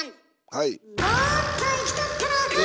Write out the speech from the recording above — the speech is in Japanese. はい。